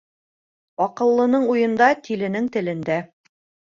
Аҡыллының уйында, тиленең телендә.